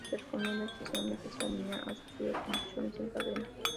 Se recomienda especialmente si la niña ha sufrido convulsiones en cadena.